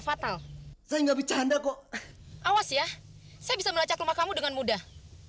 fatal sehingga bercanda kok awas ya saya bisa melacak rumah kamu dengan mudah